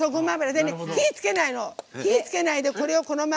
火をつけないの。